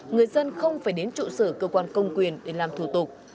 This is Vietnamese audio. người dân không phải đến trụ sở cơ quan công quyền để làm thủ tục